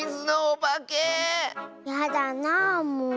やだなあもう。